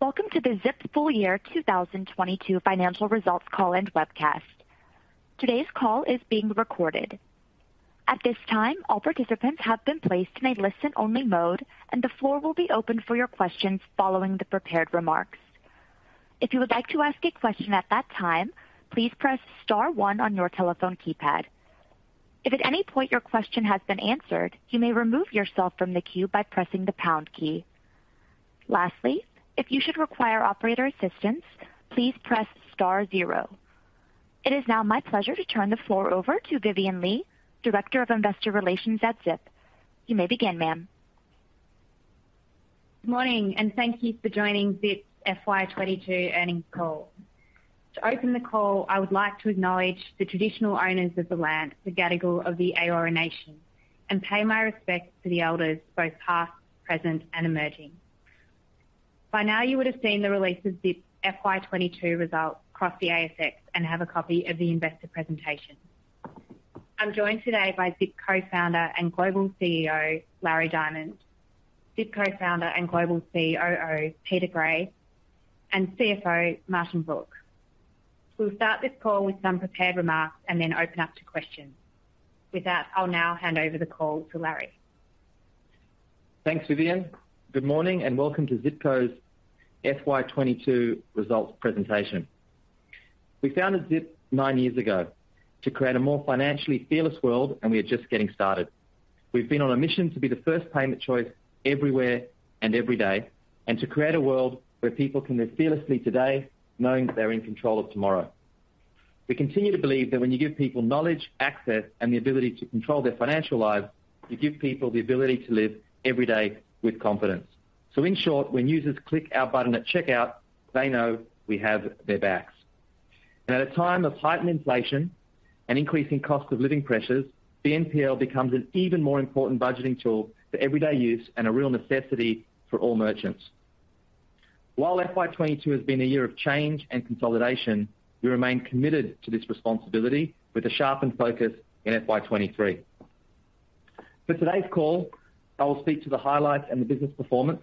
Welcome to the Zip Full Year 2022 Financial Results Call and Webcast. Today's call is being recorded. At this time, all participants have been placed in a listen-only mode, and the floor will be open for your questions following the prepared remarks. If you would like to ask a question at that time, please press star one on your telephone keypad. If at any point your question has been answered, you may remove yourself from the queue by pressing the pound key. Lastly, if you should require operator assistance, please press star zero. It is now my pleasure to turn the floor over to Vivienne Lee, Director of Investor Relations at Zip. You may begin, ma'am. Morning, and thank you for joining Zip's FY 2022 Earnings Call. To open the call, I would like to acknowledge the traditional owners of the land, the Gadigal of the Eora Nation, and pay my respects to the elders, both past, present, and emerging. By now, you would have seen the release of Zip's FY 2022 results across the ASX and have a copy of the investor presentation. I'm joined today by Zip Co-founder and Global CEO, Larry Diamond, Zip Co-founder and Global COO, Peter Gray, and CFO, Martin Brooke. We'll start this call with some prepared remarks and then open up to questions. With that, I'll now hand over the call to Larry. Thanks, Vivienne. Good morning and welcome to Zip Co's FY 2022 results presentation. We founded Zip nine years ago to create a more financially fearless world, and we are just getting started. We've been on a mission to be the first payment choice everywhere and every day, and to create a world where people can live fearlessly today, knowing that they're in control of tomorrow. We continue to believe that when you give people knowledge, access, and the ability to control their financial lives, you give people the ability to live every day with confidence. So in short, when users click our button at checkout, they know we have their backs. At a time of heightened inflation and increasing cost of living pressures, BNPL becomes an even more important budgeting tool for everyday use and a real necessity for all merchants. While FY 2022 has been a year of change and consolidation, we remain committed to this responsibility with a sharpened focus in FY 2023. For today's call, I will speak to the highlights and the business performance.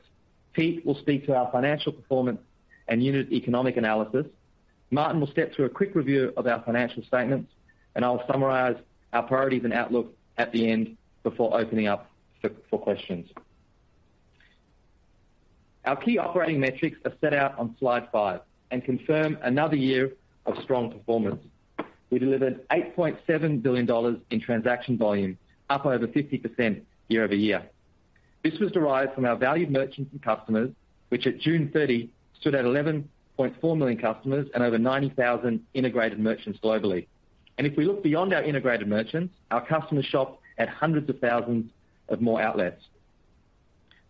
Pete will speak to our financial performance and unit economic analysis. Martin will step through a quick review of our financial statements, and I'll summarize our priorities and outlook at the end before opening up for questions. Our key operating metrics are set out on slide five and confirm another year of strong performance. We delivered 8.7 billion dollars in transaction volume, up over 50% year-over-year. This was derived from our valued merchants and customers, which at June 30 stood at 11.4 million customers and over 90,000 integrated merchants globally. And if we look beyond our integrated merchants, our customers shop at hundreds of thousands of more outlets.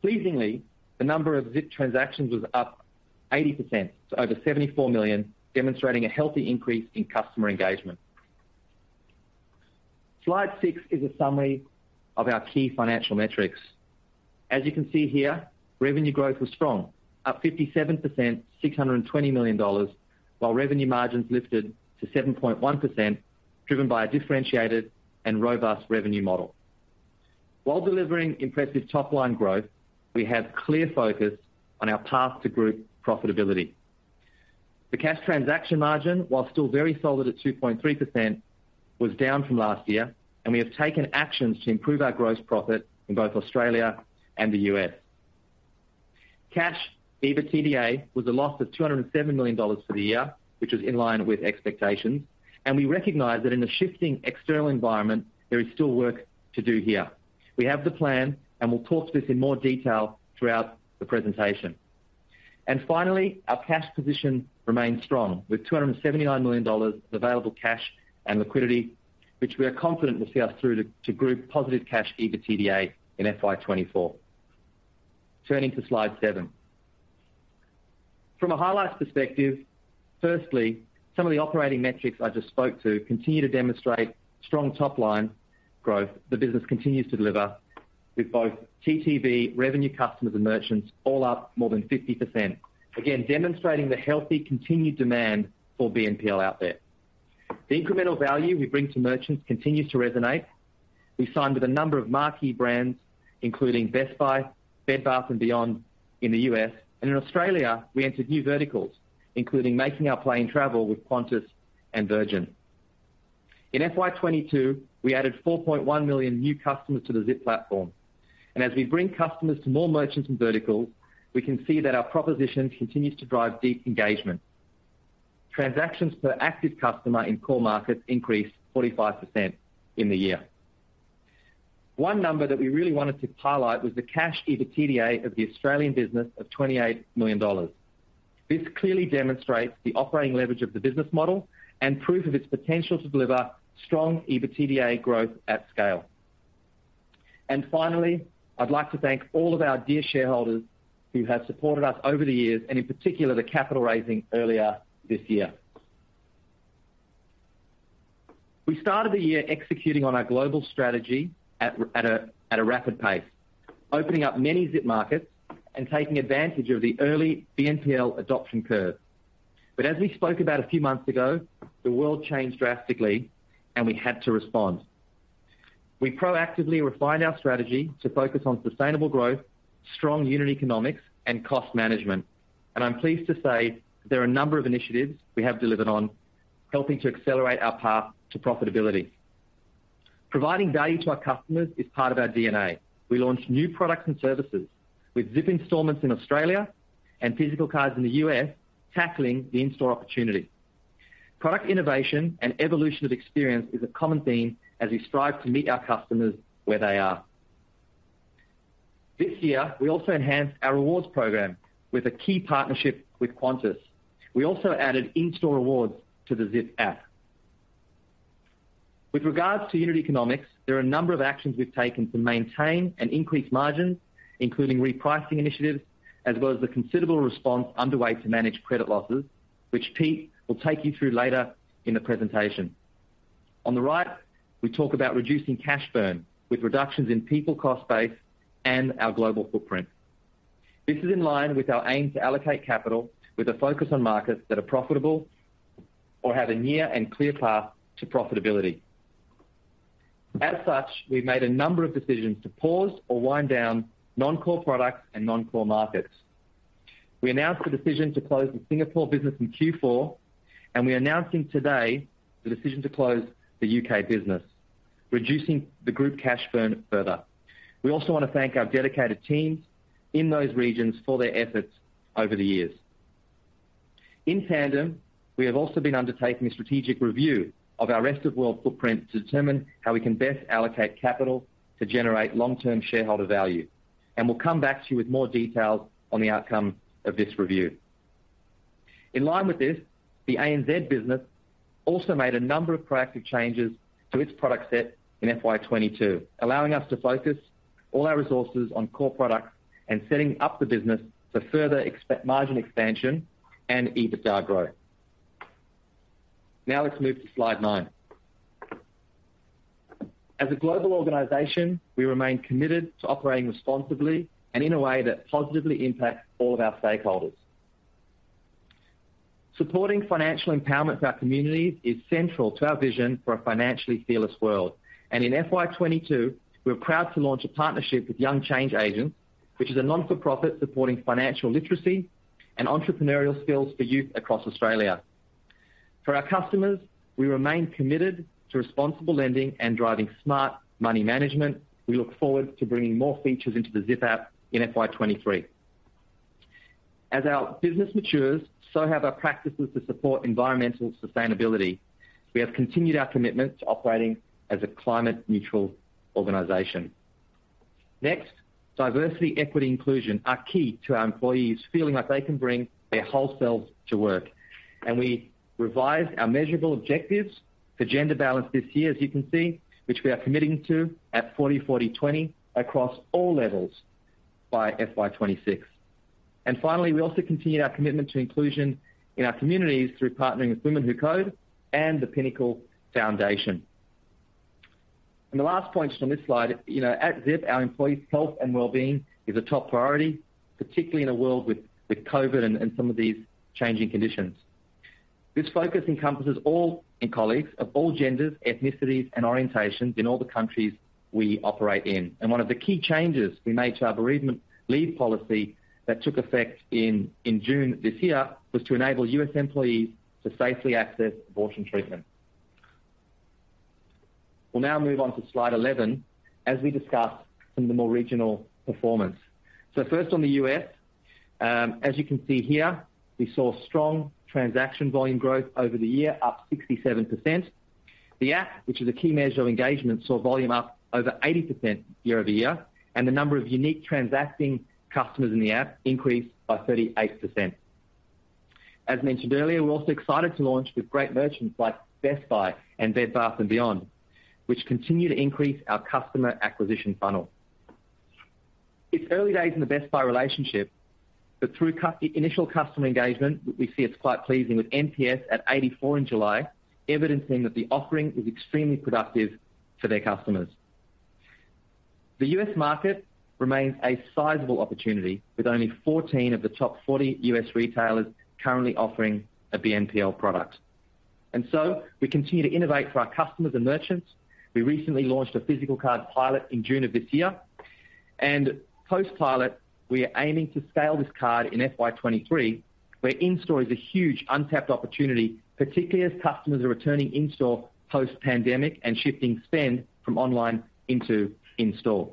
Pleasingly, the number of Zip transactions was up 80% to over 74 million, demonstrating a healthy increase in customer engagement. Slide six is a summary of our key financial metrics. As you can see here, revenue growth was strong, up 57%, 620 million dollars, while revenue margins lifted to 7.1%, driven by a differentiated and robust revenue model. While delivering impressive top-line growth, we have clear focus on our path to group profitability. The cash transaction margin, while still very solid at 2.3%, was down from last year, and we have taken actions to improve our gross profit in both Australia and the U.S. Cash EBITDA was a loss of 207 million dollars for the year, which was in line with expectations. And we recognize that in a shifting external environment, there is still work to do here. We have the plan, and we'll talk to this in more detail throughout the presentation. And finally, our cash position remains strong, with 279 million dollars available cash and liquidity, which we are confident will see us through to group positive cash EBITDA in FY 2024. Turning to slide seven. From a highlights perspective, firstly, some of the operating metrics I just spoke to continue to demonstrate strong top-line growth. The business continues to deliver with both TTV, revenue, customers, and merchants all up more than 50%. Again, demonstrating the healthy continued demand for BNPL out there. The incremental value we bring to merchants continues to resonate. We signed with a number of marquee brands, including Best Buy, Bed Bath & Beyond in the U.S. In Australia, we entered new verticals, including making our play in travel with Qantas and Virgin. In FY 2022, we added 4.1 million new customers to the Zip platform. As we bring customers to more merchants and verticals, we can see that our proposition continues to drive deep engagement. Transactions per active customer in core markets increased 45% in the year. One number that we really wanted to highlight was the cash EBITDA of the Australian business of 28 million dollars. This clearly demonstrates the operating leverage of the business model and proof of its potential to deliver strong EBITDA growth at scale. And finally, I'd like to thank all of our dear shareholders who have supported us over the years, and in particular, the capital raising earlier this year. We started the year executing on our global strategy at a rapid pace, opening up many Zip markets and taking advantage of the early BNPL adoption curve. As we spoke about a few months ago, the world changed drastically and we had to respond. We proactively refined our strategy to focus on sustainable growth, strong unit economics and cost management. I'm pleased to say there are a number of initiatives we have delivered on helping to accelerate our path to profitability. Providing value to our customers is part of our DNA. We launched new products and services with Zip installments in Australia and physical cards in the U.S., tackling the in-store opportunity. Product innovation and evolution of experience is a common theme as we strive to meet our customers where they are. This year, we also enhanced our rewards program with a key partnership with Qantas. We also added in-store rewards to the Zip app. With regards to unit economics, there are a number of actions we've taken to maintain and increase margins, including repricing initiatives, as well as the considerable response underway to manage credit losses, which Pete will take you through later in the presentation. On the right, we talk about reducing cash burn with reductions in people cost base and our global footprint. This is in line with our aim to allocate capital with a focus on markets that are profitable or have a near and clear path to profitability. As such, we've made a number of decisions to pause or wind down non-core products and non-core markets. We announced the decision to close the Singapore business in Q4, and we are announcing today the decision to close the U.K. business, reducing the group cash burn further. We also want to thank our dedicated teams in those regions for their efforts over the years. In tandem, we have also been undertaking a strategic review of our rest of world footprint to determine how we can best allocate capital to generate long-term shareholder value. And we'll come back to you with more details on the outcome of this review. In line with this, the ANZ business also made a number of proactive changes to its product set in FY 2022, allowing us to focus all our resources on core products and setting up the business for further margin expansion and EBITDA growth. Now let's move to slide nine. As a global organization, we remain committed to operating responsibly and in a way that positively impacts all of our stakeholders. Supporting financial empowerment for our communities is central to our vision for a financially fearless world. In FY 2022, we were proud to launch a partnership with Young Change Agents, which is a not-for-profit supporting financial literacy and entrepreneurial skills for youth across Australia. For our customers, we remain committed to responsible lending and driving smart money management. We look forward to bringing more features into the Zip app in FY 2023. As our business matures, so have our practices to support environmental sustainability. We have continued our commitment to operating as a climate neutral organization. Next, diversity, equity, inclusion are key to our employees feeling like they can bring their whole selves to work. And we revised our measurable objectives for gender balance this year, as you can see, which we are committing to at 40-20 across all levels by FY 2026. And finally, we also continued our commitment to inclusion in our communities through partnering with Women Who Code and The Pinnacle Foundation. The last point on this slide, you know, at Zip, our employees' health and wellbeing is a top priority, particularly in a world with COVID and some of these changing conditions. This focus encompasses all our colleagues of all genders, ethnicities and orientations in all the countries we operate in. And one of the key changes we made to our bereavement leave policy that took effect in June this year was to enable U.S. employees to safely access abortion treatment. We'll now move on to slide 11 as we discuss some of the more regional performance. First on the U.S., as you can see here, we saw strong transaction volume growth over the year, up 67%. The app, which is a key measure of engagement, saw volume up over 80% year-over-year, and the number of unique transacting customers in the app increased by 38%. As mentioned earlier, we're also excited to launch with great merchants like Best Buy and Bed Bath & Beyond, which continue to increase our customer acquisition funnel. It's early days in the Best Buy relationship, but through initial customer engagement, we see it's quite pleasing with NPS at 84 in July, evidencing that the offering is extremely productive for their customers. The U.S. market remains a sizable opportunity, with only 14 of the top 40 U.S. retailers currently offering a BNPL product. And so we continue to innovate for our customers and merchants. We recently launched a physical card pilot in June of this year, and post-pilot, we are aiming to scale this card in FY 2023, where in-store is a huge untapped opportunity, particularly as customers are returning in-store post-pandemic and shifting spend from online into in-store.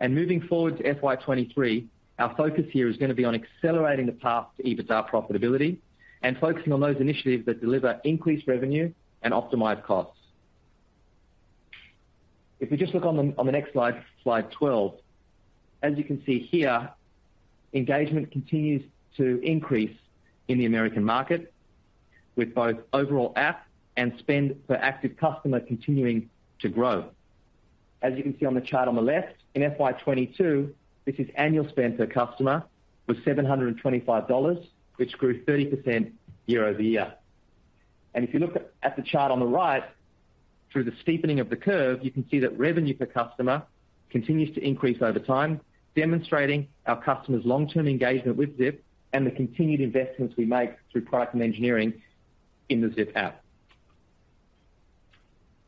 And moving forward to FY 2023, our focus here is going to be on accelerating the path to EBITDA profitability and focusing on those initiatives that deliver increased revenue and optimized costs. If we just look on the next slide 12, as you can see here, engagement continues to increase in the American market with both overall app and spend per active customer continuing to grow. As you can see on the chart on the left, in FY 2022, this is annual spend per customer was $725, which grew 30% year-over-year. And if you look at the chart on the right, through the steepening of the curve, you can see that revenue per customer continues to increase over time, demonstrating our customers' long-term engagement with Zip and the continued investments we make through product and engineering to in the Zip app.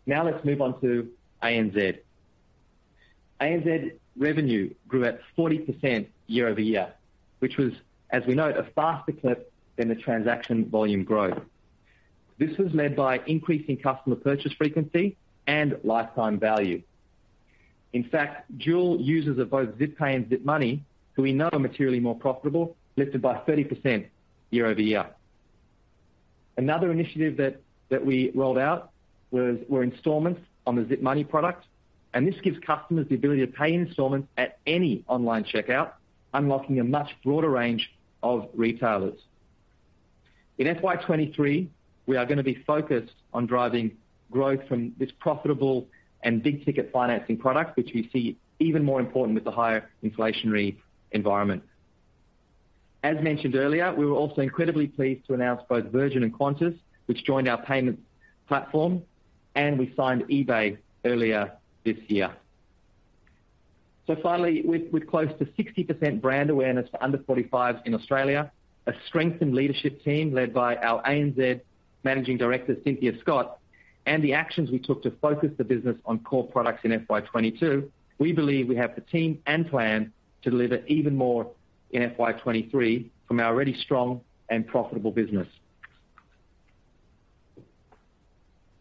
Now let's move on to ANZ. ANZ revenue grew at 40% year-over-year, which was, as we know, a faster clip than the transaction volume growth. This was led by increasing customer purchase frequency and lifetime value. In fact, dual users of both Zip Pay and Zip Money, who we know are materially more profitable, lifted by 30% year-over-year. Another initiative that we rolled out were installments on the Zip Money product, and this gives customers the ability to pay installments at any online checkout, unlocking a much broader range of retailers. In FY 2023, we are gonna be focused on driving growth from this profitable and big-ticket financing product, which we see even more important with the higher inflationary environment. As mentioned earlier, we were also incredibly pleased to announce both Virgin and Qantas, which joined our payments platform, and we signed eBay earlier this year. So finally, with close to 60% brand awareness for under 45s in Australia, a strengthened leadership team led by our ANZ Managing Director, Cynthia Scott, and the actions we took to focus the business on core products in FY 2022, we believe we have the team and plan to deliver even more in FY 2023 from our already strong and profitable business.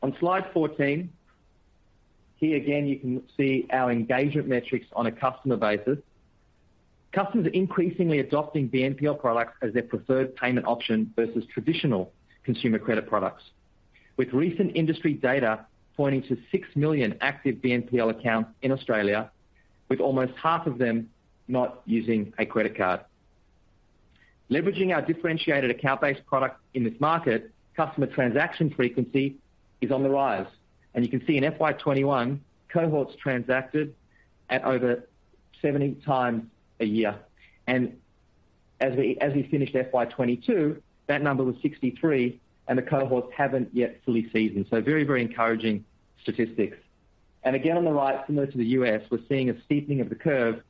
On slide 14, here again, you can see our engagement metrics on a customer basis. Customers are increasingly adopting BNPL products as their preferred payment option versus traditional consumer credit products, with recent industry data pointing to 6 million active BNPL accounts in Australia, with almost half of them not using a credit card. Leveraging our differentiated account-based product in this market, customer transaction frequency is on the rise. You can see in FY 2021, cohorts transacted at over 70x a year. As we finished FY 2022, that number was 63, and the cohorts haven't yet fully seasoned. Very, very encouraging statistics. Again, on the right, similar to the U.S., we're seeing a steepening of the curve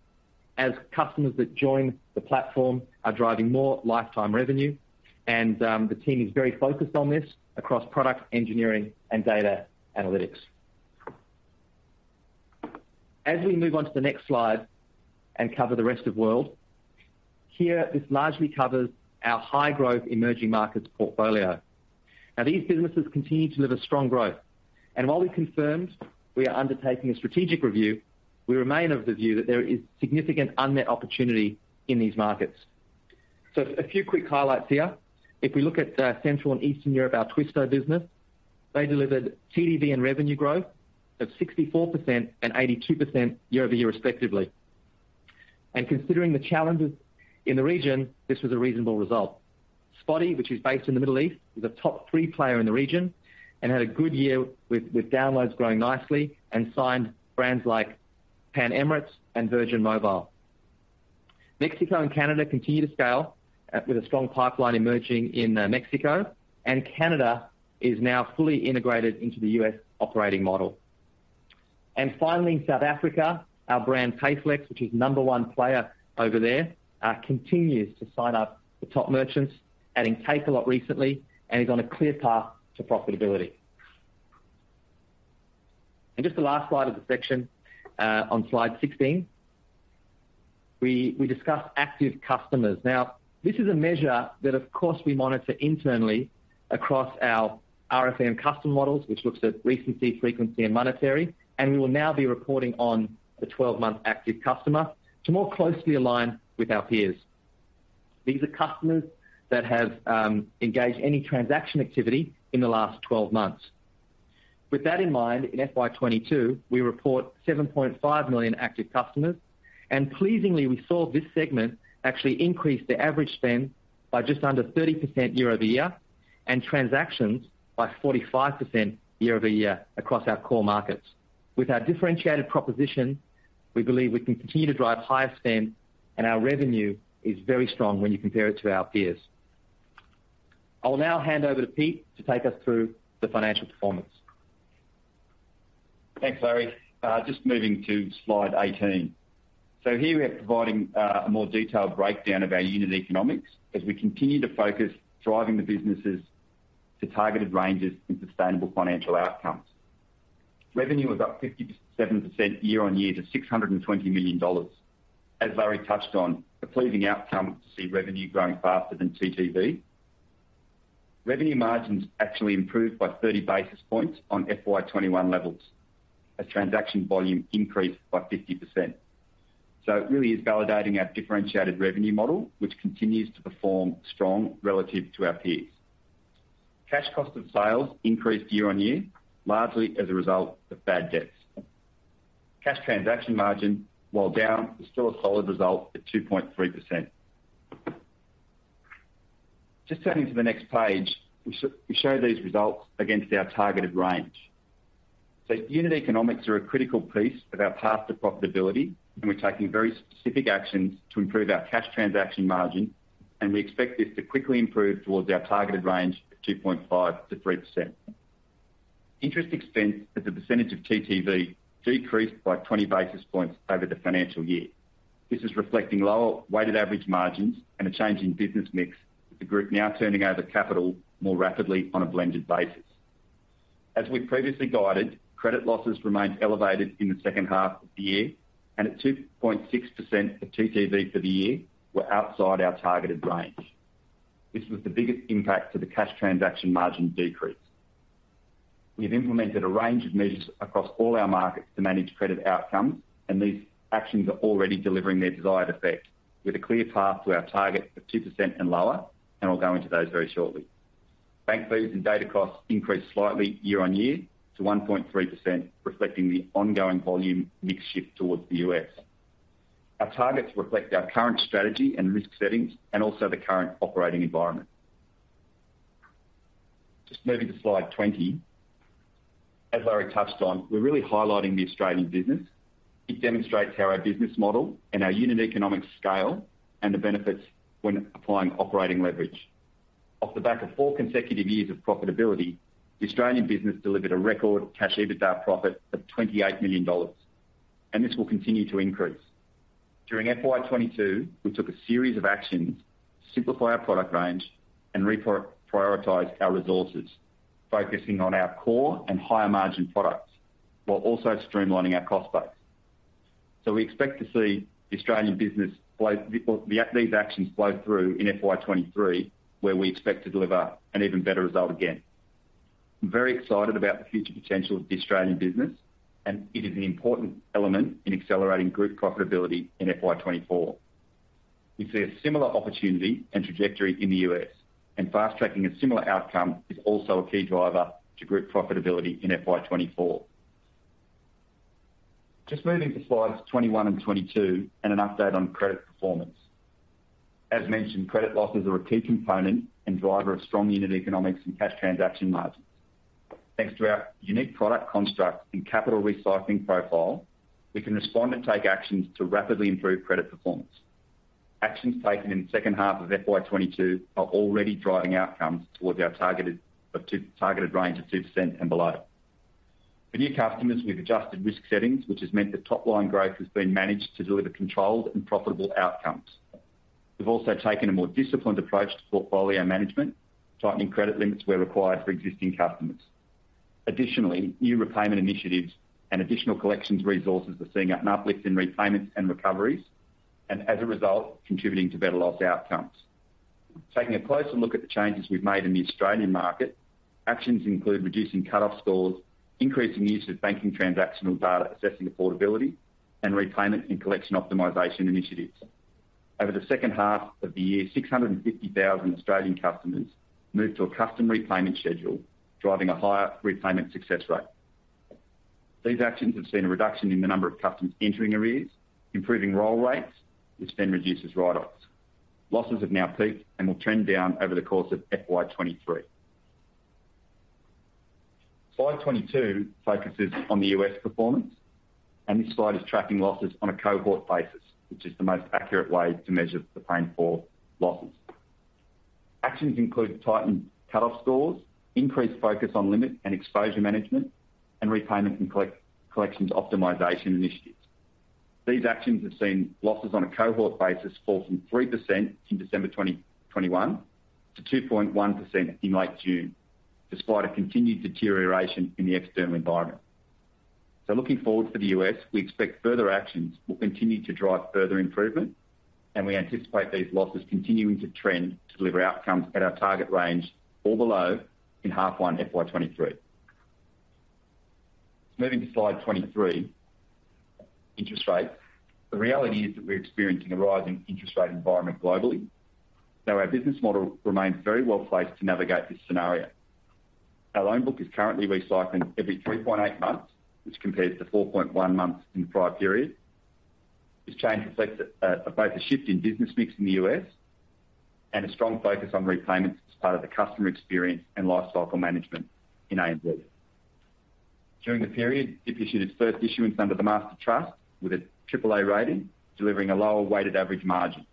as customers that join the platform are driving more lifetime revenue. And the team is very focused on this across product engineering and data analytics. As we move on to the next slide and cover the Rest of World, here, this largely covers our high-growth emerging markets portfolio. Now, these businesses continue to deliver strong growth. While we confirmed we are undertaking a strategic review, we remain of the view that there is significant unmet opportunity in these markets. A few quick highlights here. If we look at Central and Eastern Europe, our Twisto business, they delivered TTV and revenue growth of 64% and 82% year-over-year respectively. Considering the challenges in the region, this was a reasonable result. Spotii, which is based in the Middle East, is a top-three player in the region and had a good year with downloads growing nicely and signed brands like Pan Emirates and Virgin Mobile. Mexico and Canada continue to scale with a strong pipeline emerging in Mexico and Canada is now fully integrated into the U.S. operating model. And finally, South Africa, our brand, Payflex, which is number-one player over there, continues to sign up the top merchants, adding Takealot recently, and is on a clear path to profitability. And just the last slide of the section, on slide 16, we discuss active customers. Now, this is a measure that, of course, we monitor internally across our RFM custom models, which looks at recency, frequency, and monetary, and we will now be reporting on the 12-month active customer to more closely align with our peers. These are customers that have engaged any transaction activity in the last 12 months. With that in mind, in FY 2022, we report 7.5 million active customers. And pleasingly, we saw this segment actually increase their average spend by just under 30% year-over-year and transactions by 45% year-over-year across our core markets. With our differentiated proposition, we believe we can continue to drive higher spend, and our revenue is very strong when you compare it to our peers. I will now hand over to Pete to take us through the financial performance. Thanks, Larry. Just moving to slide 18. Here we are providing a more detailed breakdown of our unit economics as we continue to focus driving the businesses to targeted ranges and sustainable financial outcomes. Revenue was up 57% year-on-year to 620 million dollars. As Larry touched on, a pleasing outcome to see revenue growing faster than TTV. Revenue margins actually improved by 30 basis points on FY 2021 levels as transaction volume increased by 50%. It really is validating our differentiated revenue model, which continues to perform strong relative to our peers. Cash cost of sales increased year-on-year, largely as a result of bad debts. Cash transaction margin, while down, was still a solid result at 2.3%. Just turning to the next page, we show these results against our targeted range. Unit economics are a critical piece of our path to profitability, and we're taking very specific actions to improve our cash transaction margin, and we expect this to quickly improve towards our targeted range of 2.5%-3%. Interest expense as a percentage of TTV decreased by 20 basis points over the financial year. This is reflecting lower weighted average margins and a change in business mix, with the group now turning over capital more rapidly on a blended basis. As we previously guided, credit losses remained elevated in the second half of the year and at 2.6% of TTV for the year were outside our targeted range. This was the biggest impact to the cash transaction margin decrease. We've implemented a range of measures across all our markets to manage credit outcomes, and these actions are already delivering their desired effect with a clear path to our target of 2% and lower, and I'll go into those very shortly. Bank fees and data costs increased slightly year-over-year to 1.3%, reflecting the ongoing volume mix shift towards the U.S. Our targets reflect our current strategy and risk settings and also the current operating environment. Just moving to slide 20. As Larry touched on, we're really highlighting the Australian business. It demonstrates how our business model and our unit economic scale and the benefits when applying operating leverage. Off the back of four consecutive years of profitability, the Australian business delivered a record Cash EBITDA profit of 28 million dollars, and this will continue to increase. During FY 2022, we took a series of actions to simplify our product range and reprioritize our resources, focusing on our core and higher margin products while also streamlining our cost base. So we expect to see these actions flow through in FY 2023, where we expect to deliver an even better result again. I'm very excited about the future potential of the Australian business, and it is an important element in accelerating group profitability in FY 2024. We see a similar opportunity and trajectory in the U.S., and fast-tracking a similar outcome is also a key driver to group profitability in FY 2024. Just moving to slides 21 and 22 and an update on credit performance. As mentioned, credit losses are a key component and driver of strong unit economics and cash transaction margins. Thanks to our unique product construct and capital recycling profile, we can respond and take actions to rapidly improve credit performance. Actions taken in the second half of FY 2022 are already driving outcomes towards our targeted range of 2% and below. For new customers, we've adjusted risk settings, which has meant that top-line growth has been managed to deliver controlled and profitable outcomes. We've also taken a more disciplined approach to portfolio management, tightening credit limits where required for existing customers. Additionally, new repayment initiatives and additional collections resources are seeing an uplift in repayments and recoveries and as a result, contributing to better loss outcomes. Taking a closer look at the changes we've made in the Australian market, actions include reducing cut-off scores, increasing use of banking transactional data, assessing affordability and repayment, and collection optimization initiatives. Over the second half of the year, 650,000 Australian customers moved to a custom repayment schedule, driving a higher repayment success rate. These actions have seen a reduction in the number of customers entering arrears, improving roll rates, which then reduces write-offs. Losses have now peaked and will trend down over the course of FY 2023. Slide 22 focuses on the U.S. performance, and this slide is tracking losses on a cohort basis, which is the most accurate way to measure the provision for losses. Actions include tightened cutoff scores, increased focus on limit and exposure management, and repayment and collections optimization initiatives. These actions have seen losses on a cohort basis fall from 3% in December 2021 to 2.1% in late June, despite a continued deterioration in the external environment. So looking forward to the U.S., we expect further actions will continue to drive further improvement, and we anticipate these losses continuing to trend to deliver outcomes at our target range or below in H1 FY 2023. Moving to slide 23, interest rates. The reality is that we're experiencing a rising interest rate environment globally, though our business model remains very well placed to navigate this scenario. Our loan book is currently recycling every 3.8 months, which compares to 4.1 months in the prior period. This change reflects both a shift in business mix in the U.S. and a strong focus on repayments as part of the customer experience and lifecycle management in ANZ. During the period, it issued its first issuance under the Master Trust with a AAA rating, delivering a lower weighted average margin.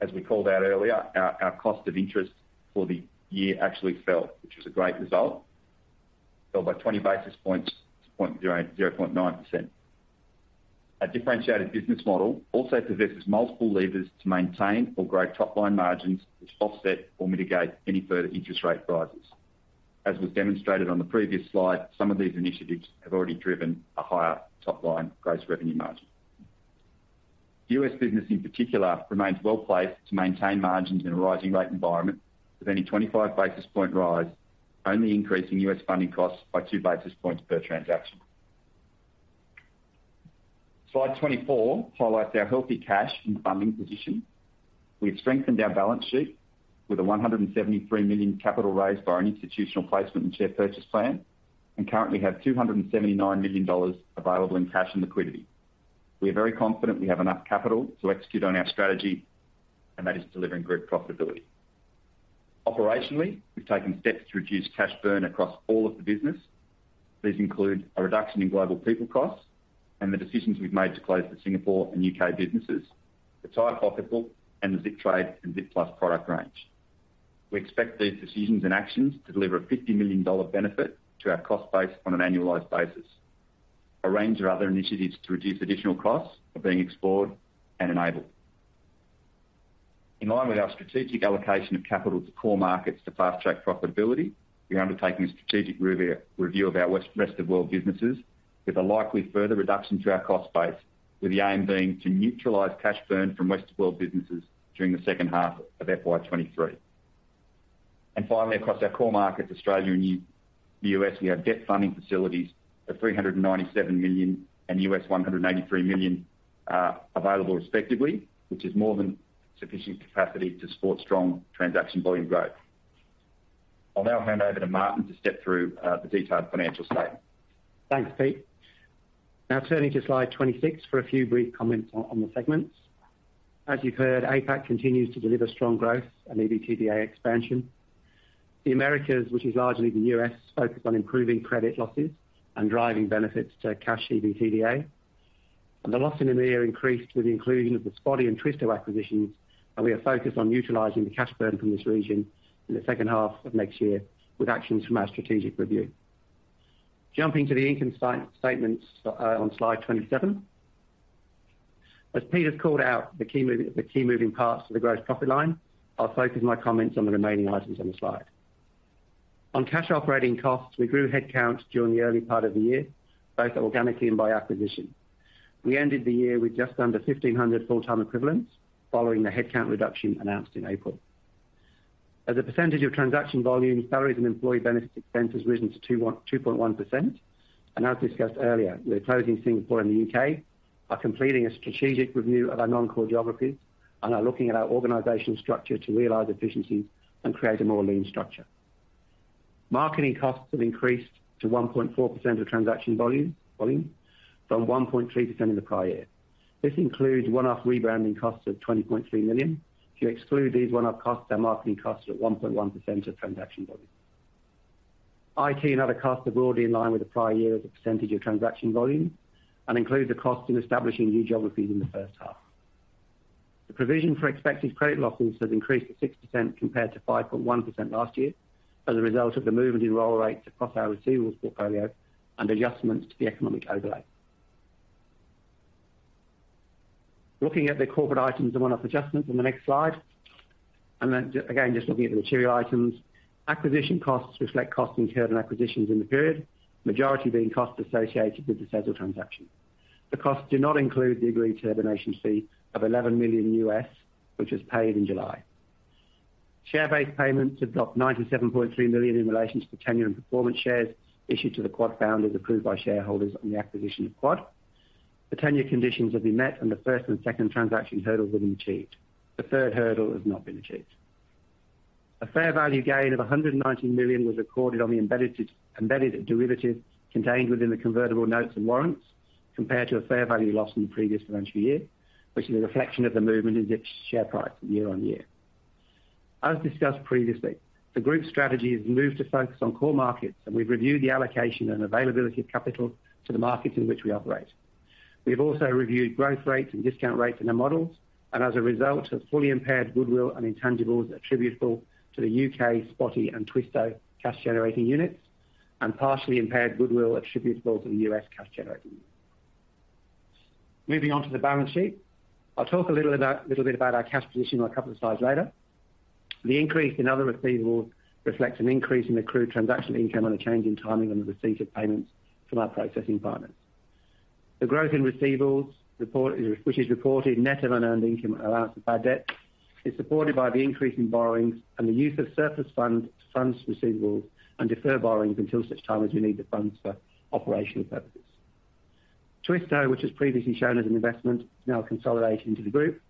As we called out earlier, our cost of interest for the year actually fell, which was a great result. Fell by 20 basis points to 0.09%. Our differentiated business model also possesses multiple levers to maintain or grow top-line margins, which offset or mitigate any further interest rate rises. As was demonstrated on the previous slide, some of these initiatives have already driven a higher top-line gross revenue margin. The U.S. business, in particular, remains well-placed to maintain margins in a rising rate environment, with any 25 basis point rise only increasing U.S. funding costs by 2 basis points per transaction. Slide 24 highlights our healthy cash and funding position. We have strengthened our balance sheet with an 173 million capital raise by our institutional placement and share purchase plan and currently have 279 million dollars available in cash and liquidity. We are very confident we have enough capital to execute on our strategy and that is delivering group profitability. Operationally, we've taken steps to reduce cash burn across all of the business. These include a reduction in global people costs and the decisions we've made to close the Singapore and U.K. Businesses. To exit Pocketbook and the Zip Trade and Zip Plus product range. We expect these decisions and actions to deliver an 50 million dollar benefit to our cost base on an annualized basis. A range of other initiatives to reduce additional costs are being explored and enabled. In line with our strategic allocation of capital to core markets to fast-track profitability, we are undertaking a strategic review of our rest of world businesses with a likely further reduction to our cost base, with the aim being to neutralize cash burn from rest of world businesses during the second half of FY 2023. Finally, across our core markets, Australia and U.S., we have debt funding facilities of 397 million and $183 million available respectively, which is more than sufficient capacity to support strong transaction volume growth. I'll now hand over to Martin to step through the detailed financial statement. Thanks, Pete. Now turning to slide 26 for a few brief comments on the segments. As you've heard, APAC continues to deliver strong growth and EBITDA expansion. The Americas, which is largely the U.S., focused on improving credit losses and driving benefits to cash EBITDA. The loss in EMEA increased with the inclusion of the Spotii and Twisto acquisitions, and we are focused on utilizing the cash burn from this region in the second half of next year with actions from our strategic review. Jumping to the income statements on slide 27. As Pete has called out the key moving parts of the gross profit line, I'll focus my comments on the remaining items on the slide. On cash operating costs, we grew headcount during the early part of the year, both organically and by acquisition. We ended the year with just under 1,500 full-time equivalents following the headcount reduction announced in April. As a percentage of transaction volume, salaries and employee benefits expense has risen to 2.1%. We're closing Singapore and the U.K., are completing a strategic review of our non-core geographies, and are looking at our organizational structure to realize efficiencies and create a more lean structure. Marketing costs have increased to 1.4% of transaction volume from 1.3% in the prior year. This includes one-off rebranding costs of 20.3 million. If you exclude these one-off costs, our marketing costs are 1.1% of transaction volume. IT and other costs are broadly in line with the prior year as a percentage of transaction volume and include the cost in establishing new geographies in the first half. The provision for expected credit losses has increased to 6% compared to 5.1% last year as a result of the movement in roll rate across our receivables portfolio and adjustments to the economic overlay. Looking at the corporate items and one-off adjustments on the next slide, and then again, just looking at the material items. Acquisition costs reflect costs incurred in acquisitions in the period, majority being costs associated with the Sezzle transaction. The costs do not include the agreed termination fee of $11 million, which was paid in July. Share-based payments have dropped 97.3 million in relation to the tenure and performance shares issued to the QuadPay founders approved by shareholders on the acquisition of QuadPay. The tenure conditions have been met, and the first and second transaction hurdles have been achieved. The third hurdle has not been achieved. A fair value gain of 119 million was recorded on the embedded derivative contained within the convertible notes and warrants, compared to a fair value loss in the previous financial year, which is a reflection of the movement in Zip's share price year-over-year. As discussed previously, the group's strategy has moved to focus on core markets, and we've reviewed the allocation and availability of capital to the markets in which we operate. We've also reviewed growth rates and discount rates in our models, and as a result have fully impaired goodwill and intangibles attributable to the U.K., Spotii and Twisto cash-generating units and partially impaired goodwill attributable to the U.S. cash-generating unit. Moving on to the balance sheet. I'll talk a little bit about our cash position a couple of slides later. The increase in other receivables reflects an increase in accrued transaction income and a change in timing on the receipt of payments from our processing partners. The growth in receivables, which is reported net of unearned income allowance for bad debt, is supported by the increase in borrowings and the use of surplus funds, fund receivables and defer borrowings until such time as we need the funds for operational purposes. Twisto, which was previously shown as an investment, is now consolidated into the group,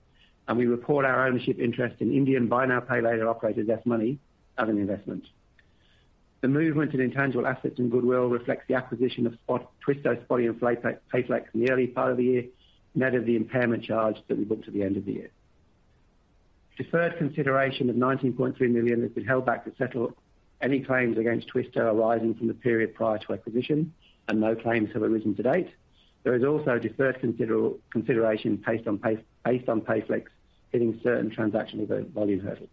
and we report our ownership interest in Indian buy now, pay later operator ZestMoney as an investment. The movement in intangible assets and goodwill reflects the acquisition of Spotii, Twisto, and Payflex in the early part of the year, net of the impairment charge that we booked at the end of the year. Deferred consideration of 19.3 million has been held back to settle any claims against Twisto arising from the period prior to acquisition, and no claims have arisen to date. There is also a deferred consideration based on Payflex hitting certain transactional volume hurdles.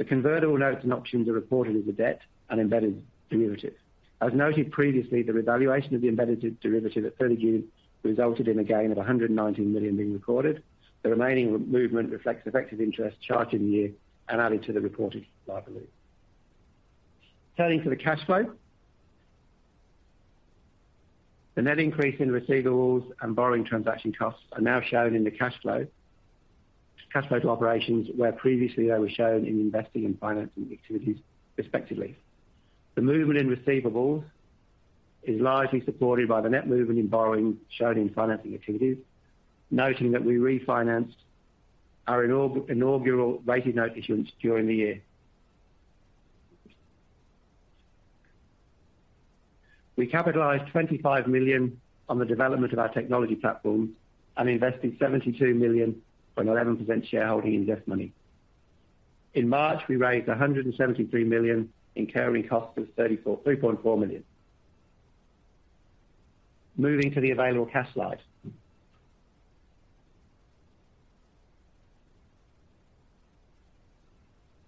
The convertible notes and options are reported as a debt and embedded derivative. As noted previously, the revaluation of the embedded derivative at 30 June resulted in a gain of 119 million being recorded. The remaining movement reflects effective interest charged in the year and added to the reported liability. Turning to the cash flow. The net increase in receivables and borrowing transaction costs are now shown in the cash flow from operations, where previously they were shown in investing and financing activities respectively. The movement in receivables is largely supported by the net movement in borrowing shown in financing activities, noting that we refinanced our inaugural rated note issuance during the year. We capitalized 25 million on the development of our technology platform and invested 72 million for an 11% shareholding in ZestMoney. In March, we raised 173 million in carrying costs of 3.4 million. Moving to the available cash slide.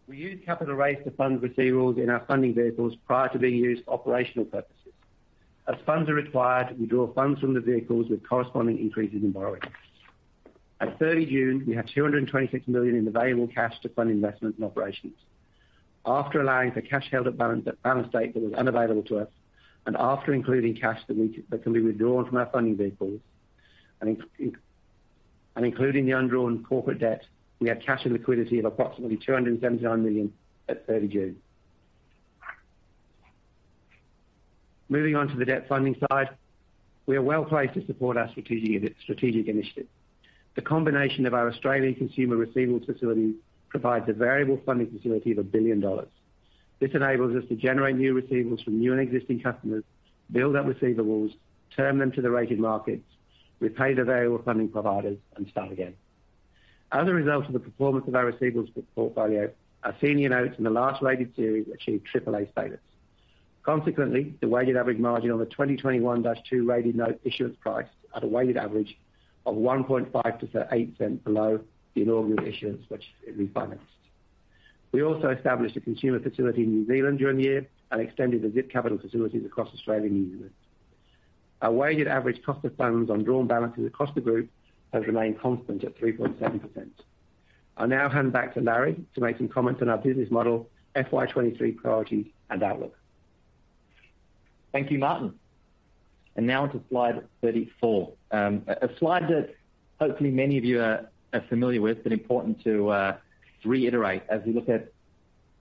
We use capital raise to fund receivables in our funding vehicles prior to being used for operational purposes. As funds are required, we draw funds from the vehicles with corresponding increases in borrowings. At 30 June, we had 226 million in available cash to fund investments and operations. After allowing for cash held at balance date that was unavailable to us, and after including cash that can be withdrawn from our funding vehicles, and including the undrawn corporate debt, we have cash and liquidity of approximately 279 million at 30 June. Moving on to the debt funding slide. We are well placed to support our strategic initiative. The combination of our Australian consumer receivables facility provides a variable funding facility of 1 billion dollars. This enables us to generate new receivables from new and existing customers, build up receivables, term them to the rated markets, repay the variable funding providers, and start again. As a result of the performance of our receivables portfolio, our senior notes in the large rated series achieved triple-A status. Consequently, the weighted average margin on the 2021-2 rated note issuance, priced at a weighted average of 1.5%, 0.08 below the inaugural issuance which it refinanced. We also established a consumer facility in New Zealand during the year and extended the Zip capital facilities across Australia and New Zealand. Our weighted average cost of funds on drawn balances across the group has remained constant at 3.7%.I'll now hand back to Larry to make some comments on our business model, FY 2023 priorities and outlook. Thank you, Martin. Now on to slide 34. A slide that hopefully many of you are familiar with, but important to reiterate as we look at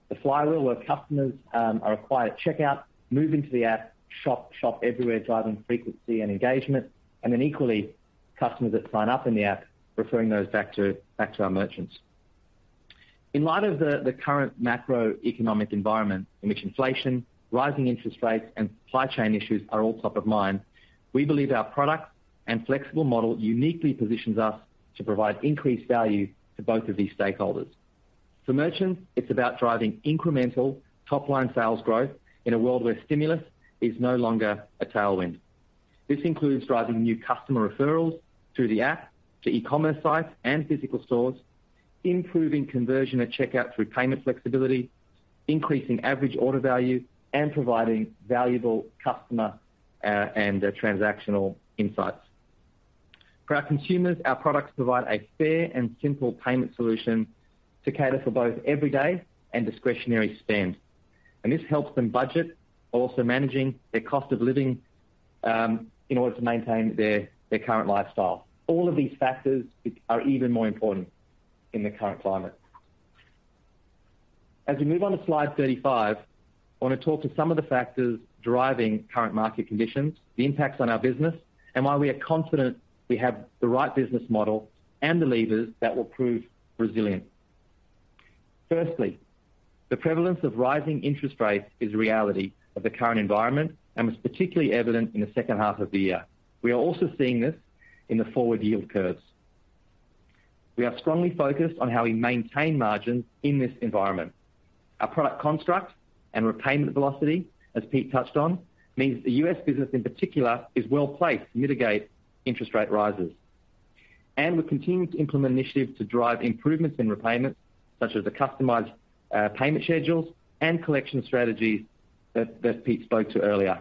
the flywheel where customers are acquired at checkout, move into the app, shop everywhere, driving frequency and engagement, and then equally, customers that sign up in the app, referring those back to our merchants. In light of the current macroeconomic environment in which inflation, rising interest rates, and supply chain issues are all top of mind, we believe our product and flexible model uniquely positions us to provide increased value to both of these stakeholders. For merchants, it's about driving incremental top-line sales growth in a world where stimulus is no longer a tailwind. This includes driving new customer referrals through the app to e-commerce sites and physical stores, improving conversion at checkout through payment flexibility, increasing average order value, and providing valuable customer and transactional insights. For our consumers, our products provide a fair and simple payment solution to cater for both everyday and discretionary spend. This helps them budget while also managing their cost of living in order to maintain their current lifestyle. All of these factors are even more important in the current climate. As we move on to slide 35, I want to talk to some of the factors driving current market conditions, the impacts on our business, and why we are confident we have the right business model and the levers that will prove resilient. Firstly, the prevalence of rising interest rates is a reality of the current environment and was particularly evident in the second half of the year. We are also seeing this in the forward yield curves. We are strongly focused on how we maintain margins in this environment. Our product construct and repayment velocity, as Pete touched on, means the U.S. business in particular is well placed to mitigate interest rate rises. We're continuing to implement initiatives to drive improvements in repayment, such as the customized payment schedules and collection strategies that Pete spoke to earlier.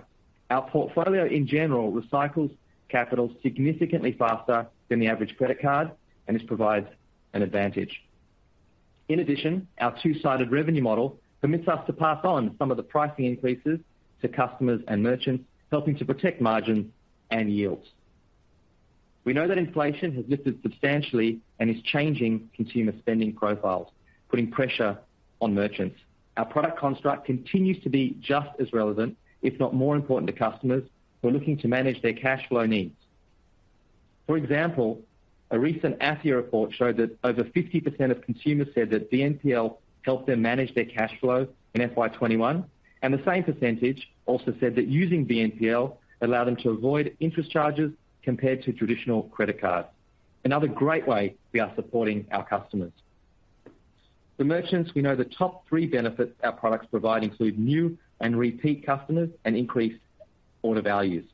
Our portfolio in general recycles capital significantly faster than the average credit card, and this provides an advantage. In addition, our two-sided revenue model permits us to pass on some of the pricing increases to customers and merchants, helping to protect margins and yields. We know that inflation has lifted substantially and is changing consumer spending profiles, putting pressure on merchants. Our product construct continues to be just as relevant, if not more important to customers who are looking to manage their cash flow needs. For example, a recent AFIA report showed that over 50% of consumers said that BNPL helped them manage their cash flow in FY 2021, and the same percentage also said that using BNPL allowed them to avoid interest charges compared to traditional credit cards. Another great way we are supporting our customers. For merchants, we know the top three benefits our products provide include new and repeat customers and increased order values.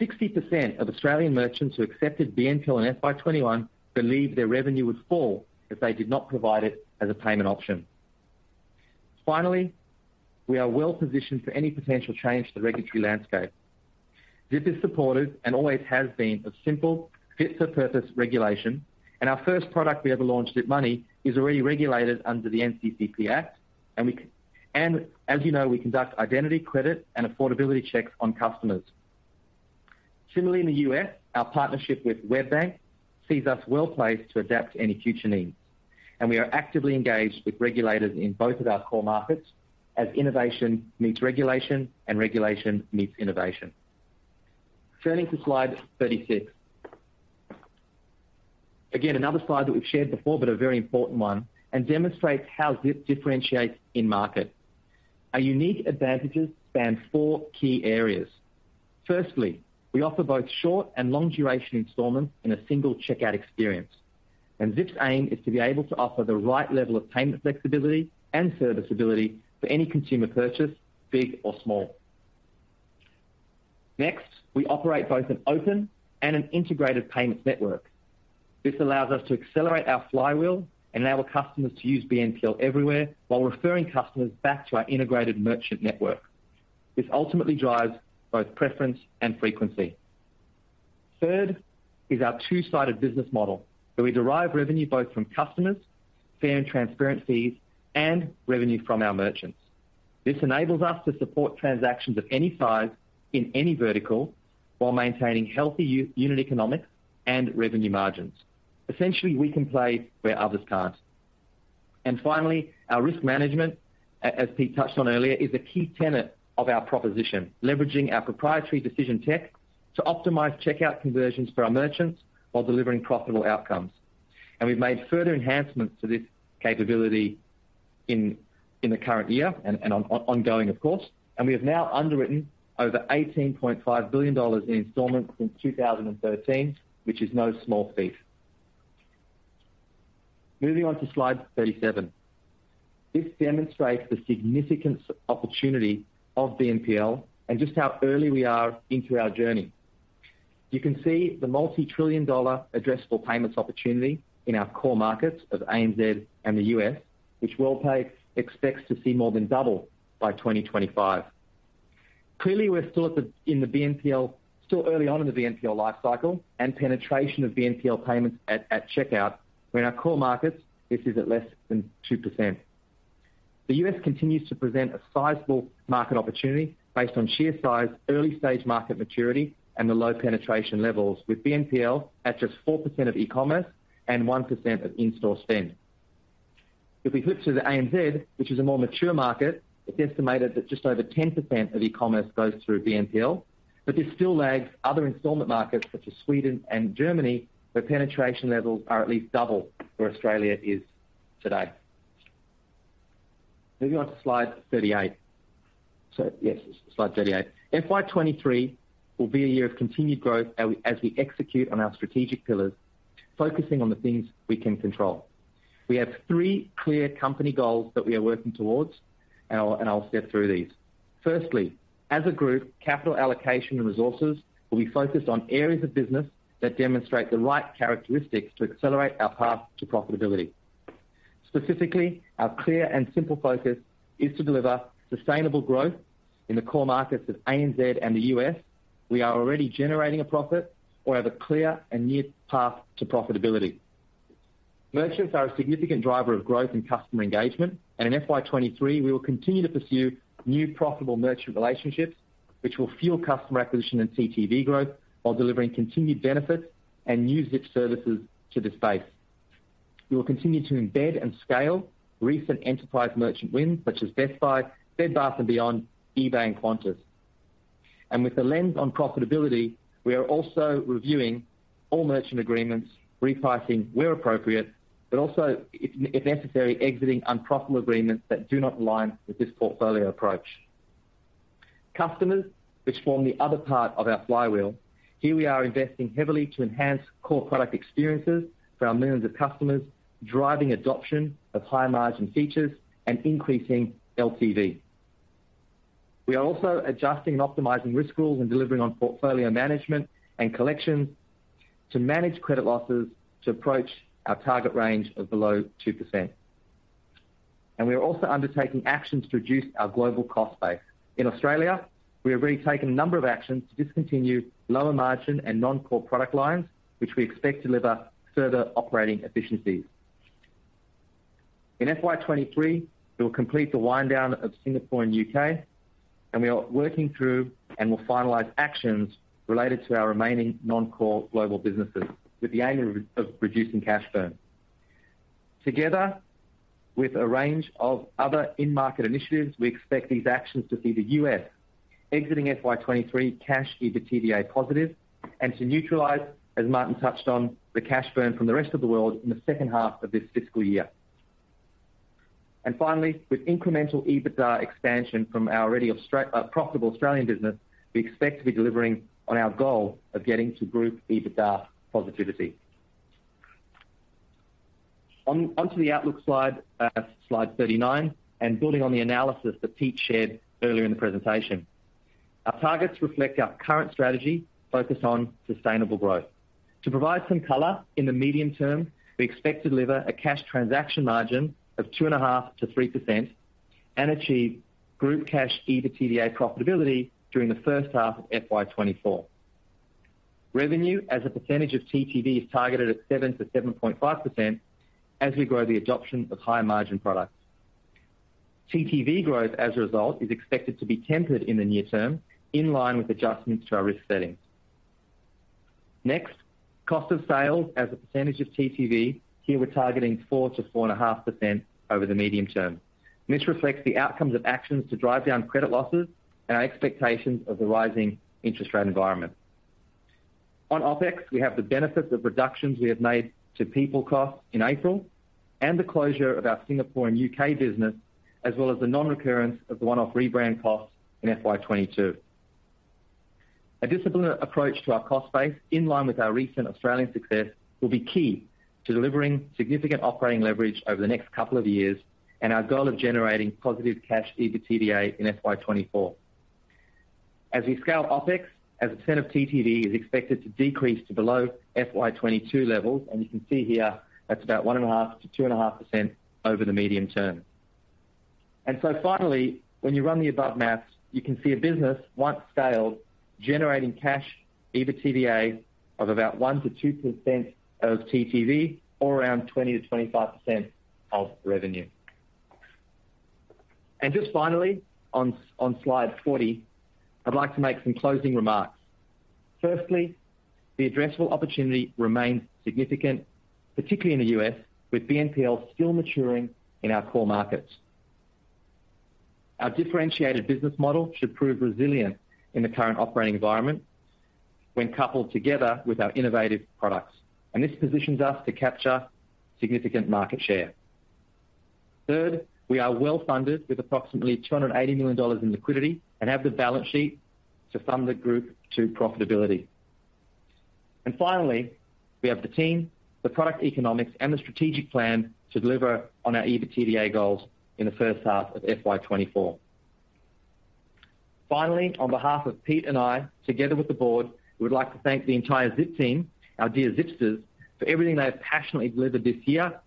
60% of Australian merchants who accepted BNPL in FY 2021 believed their revenue would fall if they did not provide it as a payment option. Finally, we are well positioned for any potential change to the regulatory landscape. Zip is supportive and always has been a simple fit for purpose regulation, and our first product we ever launched, Zip Money, is already regulated under the NCCP Act. As you know, we conduct identity, credit, and affordability checks on customers. Similarly, in the U.S., our partnership with WebBank sees us well placed to adapt to any future needs. We are actively engaged with regulators in both of our core markets as innovation meets regulation and regulation meets innovation. Turning to slide 36. Again, another slide that we've shared before, but a very important one, and demonstrates how Zip differentiates in market. Our unique advantages span four key areas. Firstly, we offer both short and long duration installments in a single checkout experience. Zip's aim is to be able to offer the right level of payment flexibility and serviceability for any consumer purchase, big or small. Next, we operate both an open and an integrated payments network. This allows us to accelerate our flywheel and enable customers to use BNPL everywhere while referring customers back to our integrated merchant network. This ultimately drives both preference and frequency. Third is our two-sided business model, where we derive revenue both from customers, fair and transparent fees, and revenue from our merchants. This enables us to support transactions of any size in any vertical while maintaining healthy unit economics and revenue margins. Essentially, we can play where others can't. And finally, our risk management, as Pete touched on earlier, is a key tenet of our proposition, leveraging our proprietary decision tech to optimize checkout conversions for our merchants while delivering profitable outcomes. We've made further enhancements to this capability in the current year and ongoing, of course. We have now underwritten over 18.5 billion dollars in installments since 2013, which is no small feat. Moving on to slide 37. This demonstrates the significant opportunity of BNPL and just how early we are into our journey. You can see the multi-trillion dollar addressable payments opportunity in our core markets of ANZ and the U.S., which Worldpay expects to see more than double by 2025. Clearly, we're still early on in the BNPL lifecycle and penetration of BNPL payments at checkout, where in our core markets, this is at less than 2%. The U.S. continues to present a sizable market opportunity based on sheer size, early-stage market maturity, and the low penetration levels, with BNPL at just 4% of e-commerce and 1% of in-store spend. If we flip to the ANZ, which is a more mature market, it's estimated that just over 10% of e-commerce goes through BNPL, but this still lags other installment markets such as Sweden and Germany, where penetration levels are at least double where Australia is today. Moving on to slide 38. So yes, slide 38. FY 2023 will be a year of continued growth as we execute on our strategic pillars, focusing on the things we can control. We have three clear company goals that we are working towards, and I'll step through these. Firstly, as a group, capital allocation and resources will be focused on areas of business that demonstrate the right characteristics to accelerate our path to profitability. Specifically, our clear and simple focus is to deliver sustainable growth in the core markets of ANZ and the U.S. We are already generating a profit or have a clear and near path to profitability. Merchants are a significant driver of growth and customer engagement, and in FY 2023, we will continue to pursue new profitable merchant relationships, which will fuel customer acquisition and TTV growth while delivering continued benefits and new Zip services to the space. We will continue to embed and scale recent enterprise merchant wins such as Best Buy, Bed Bath & Beyond, eBay, and Qantas. With the lens on profitability, we are also reviewing all merchant agreements, repricing where appropriate, but also, if necessary, exiting unprofitable agreements that do not align with this portfolio approach. Customers, which form the other part of our flywheel. Here we are investing heavily to enhance core product experiences for our millions of customers, driving adoption of high-margin features and increasing LTV. We are also adjusting and optimizing risk rules and delivering on portfolio management and collections to manage credit losses to approach our target range of below 2%. We are also undertaking actions to reduce our global cost base. In Australia, we have already taken a number of actions to discontinue lower-margin and non-core product lines, which we expect to deliver further operating efficiencies. In FY 2023, we will complete the wind down of Singapore and U.K., and we are working through and will finalize actions related to our remaining non-core global businesses with the aim of reducing cash burn. Together with a range of other in-market initiatives, we expect these actions to see the U.S. exiting FY 2023 cash EBITDA positive and to neutralize, as Martin touched on, the cash burn from the rest of the world in the second half of this fiscal year. With incremental EBITDA expansion from our already profitable Australian business, we expect to be delivering on our goal of getting to group EBITDA positivity. Onto the outlook slide 39, and building on the analysis that Pete shared earlier in the presentation. Our targets reflect our current strategy focused on sustainable growth. To provide some color, in the medium term, we expect to deliver a cash transaction margin of 2.5%-3% and achieve group Cash EBITDA profitability during the first half of FY 2024. Revenue as a percentage of TTV is targeted at 7%-7.5% as we grow the adoption of higher-margin products. TTV growth as a result is expected to be tempered in the near term in line with adjustments to our risk settings. Next, cost of sales as a percentage of TTV. Here, we're targeting 4%-4.5% over the medium term, and this reflects the outcomes of actions to drive down credit losses and our expectations of the rising interest rate environment. On OpEx, we have the benefit of reductions we have made to people costs in April and the closure of our Singapore and U.K. business, as well as the non-recurrence of the one-off rebrand costs in FY 2022. A disciplined approach to our cost base, in line with our recent Australian success, will be key to delivering significant operating leverage over the next couple of years and our goal of generating positive cash EBITDA in FY 2024. As we scale OpEx as a percent of TTV is expected to decrease to below FY 2022 levels, and you can see here that's about 1.5%-2.5% over the medium term. And finally, when you run the above maths, you can see a business once scaled, generating Cash EBITDA of about 1%-2% of TTV or around 20%-25% of revenue. Just finally on slide 40, I'd like to make some closing remarks. Firstly, the addressable opportunity remains significant, particularly in the U.S., with BNPL still maturing in our core markets. Our differentiated business model should prove resilient in the current operating environment when coupled together with our innovative products, and this positions us to capture significant market share. Third, we are well-funded with approximately $280 million in liquidity and have the balance sheet to fund the group to profitability. Finally, we have the team, the product economics and the strategic plan to deliver on our EBITDA goals in the first half of FY 2024. Finally, on behalf of Peter and I, together with the board, we would like to thank the entire Zip team, our dear Zipsters, for everything they have passionately delivered this year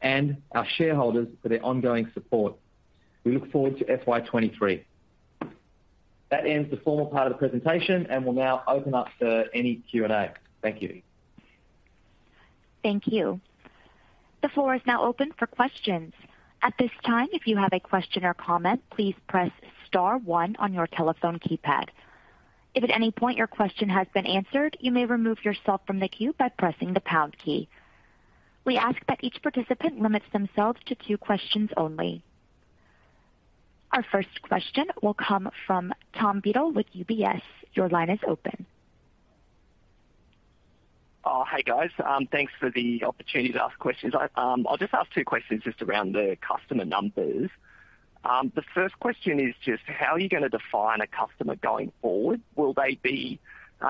and our shareholders for their ongoing support. We look forward to FY 2023. That ends the formal part of the presentation and we'll now open up to any Q&A. Thank you. Thank you. The floor is now open for questions. At this time, if you have a question or comment, please press star one on your telephone keypad. If at any point your question has been answered, you may remove yourself from the queue by pressing the pound key. We ask that each participant limits themselves to two questions only. Our first question will come from Tom Beadle with UBS. Your line is open. Hi, guys. Thanks for the opportunity to ask questions. I'll just ask two questions just around the customer numbers. The first question is just how are you gonna define a customer going forward? Will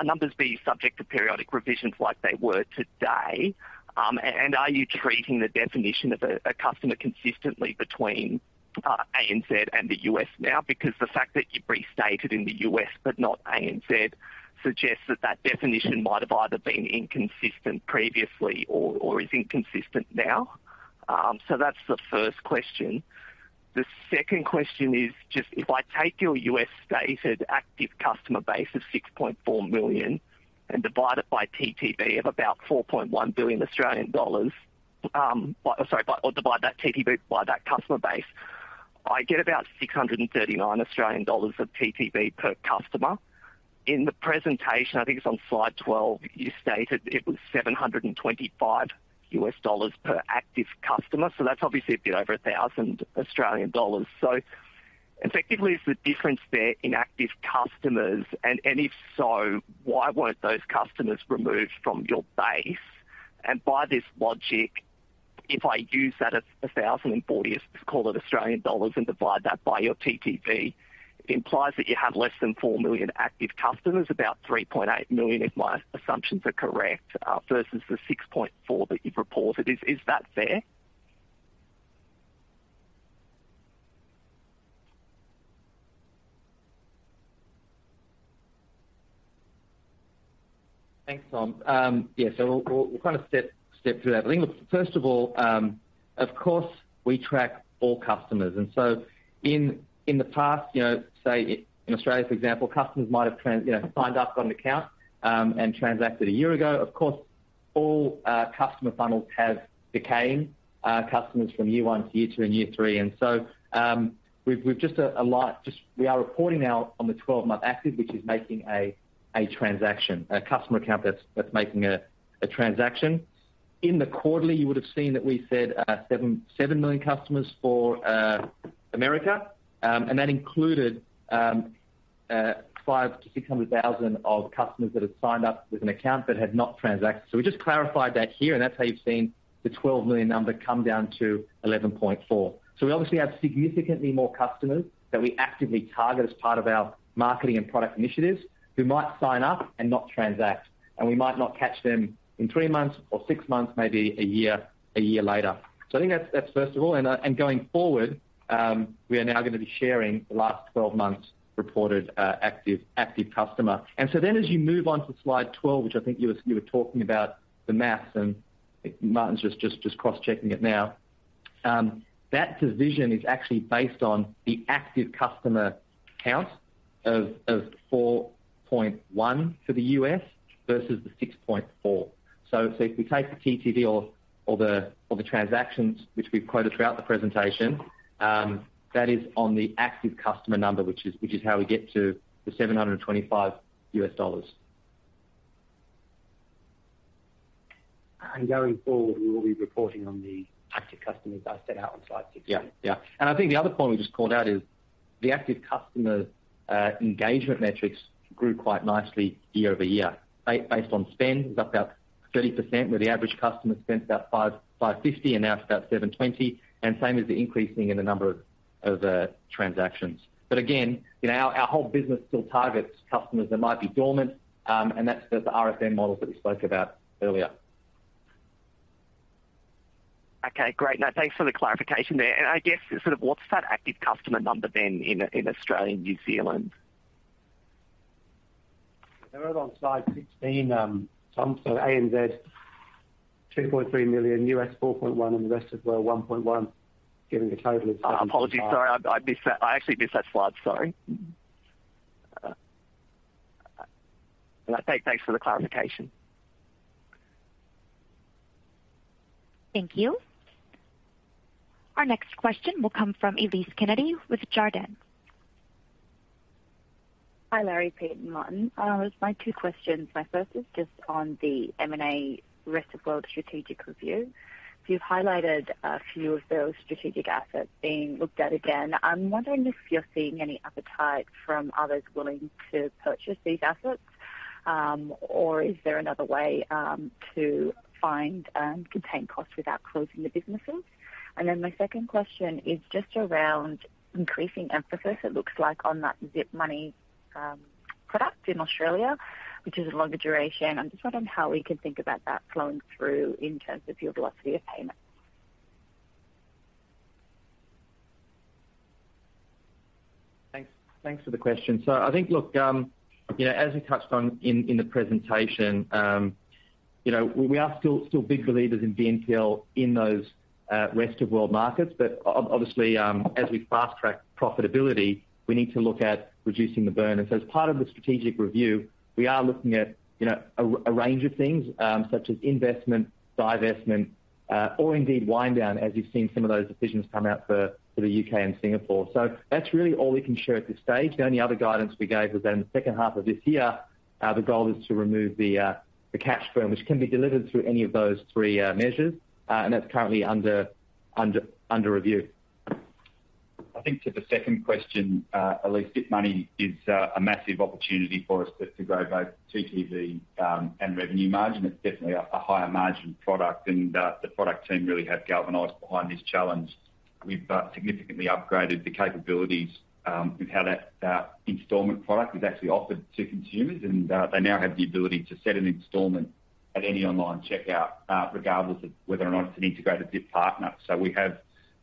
numbers be subject to periodic revisions like they were today? Are you treating the definition of a customer consistently between ANZ and the U.S. now? Because the fact that you restated in the U.S. but not ANZ suggests that that definition might have either been inconsistent previously or is inconsistent now. That's the first question. The second question is just if I take your U.S. stated active customer base of 6.4 million and divide it by TTV of about 4.1 billion Australian dollars, by divide that TTV by that customer base, I get about 639 Australian dollars of TTV per customer. In the presentation, I think it's on slide 12, you stated it was $725 per active customer. That's obviously a bit over 1,000 Australian dollars. Effectively, is the difference there in active customers, and if so, why weren't those customers removed from your base? By this logic, if I use that 1,040, let's call it Australian dollars, and divide that by your TTV, it implies that you have less than 4 million active customers, about 3.8 million, if my assumptions are correct, versus the 6.4 that you've reported. Is that fair? Thanks, Tom. Yeah, we'll kind of step through that. I think first of all, of course, we track all customers. In the past, you know, say in Australia, for example, customers might have you know, signed up on an account and transacted a year ago. Of course, all customer funnels have became customers from year one to year two and year three. We are reporting now on the 12-month active, which is making a transaction. A customer account that's making a transaction. In the quarterly, you would have seen that we said 7 million customers for America, and that included 500,000-600,000 of customers that had signed up with an account but had not transacted. We just clarified that here, and that's how you've seen the 12 million number come down to 11.4. So we obviously have significantly more customers that we actively target as part of our marketing and product initiatives who might sign up and not transact, and we might not catch them in three months or six months, maybe a year later. I think that's first of all. Going forward, we are now gonna be sharing the last 12 months reported active customer. As you move on to slide 12, which I think you were talking about the math, and Martin's just cross-checking it now. That division is actually based on the active customer count of 4.1 for the U.S. versus the 6.4. If we take the TTV or the transactions which we've quoted throughout the presentation, that is on the active customer number which is how we get to the $725. Going forward, we will be reporting on the active customers as set out on slide 16. I think the other point we just called out is the active customer engagement metrics grew quite nicely year-over-year. Based on spend, it was up about 30%, where the average customer spent about $550 and now it's about $720. Same as the increasing in the number of the transactions. You know, our whole business still targets customers that might be dormant, and that's the RFM model that we spoke about earlier. Okay, great. No, thanks for the clarification there. I guess sort of what's that active customer number then in Australia and New Zealand? They're on slide 16. ANZ 2.3 million, U.S. 4.1 million, and the rest of the world 1.1 million, giving a total of- Apologies. Sorry, I missed that. I actually missed that slide. Sorry. But thanks for the clarification. Thank you. Our next question will come from Elise Kennedy with Jarden. Hi, Larry, Pete, and Martin. Just my two questions. My first is just on the M&A rest of world strategic review. You've highlighted a few of those strategic assets being looked at again. I'm wondering if you're seeing any appetite from others willing to purchase these assets, or is there another way to find and contain costs without closing the businesses? And then my second question is just around increasing emphasis, it looks like, on that Zip Money product in Australia, which is a longer duration. I'm just wondering how we can think about that flowing through in terms of your velocity of payments. Thanks. Thanks for the question. I think, look, you know, as we touched on in the presentation, you know, we are still big believers in BNPL in those rest of world markets. But obviously, as we fast-track profitability, we need to look at reducing the burn. As part of the strategic review, we are looking at, you know, a range of things, such as investment, divestment, or indeed wind down as you've seen some of those decisions come out for the U.K. and Singapore. That's really all we can share at this stage. The only other guidance we gave was that in the second half of this year, the goal is to remove the cash burn, which can be delivered through any of those three measures, and that's currently under review. I think to the second question, Elise, Zip Money is a massive opportunity for us to grow both TTV and revenue margin. It's definitely a higher margin product and the product team really have galvanized behind this challenge. We've significantly upgraded the capabilities with how that installment product is actually offered to consumers, and they now have the ability to set an installment at any online checkout, regardless of whether or not it's an integrated Zip partner. So we have